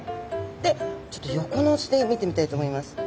でちょっと横の図で見てみたいと思います。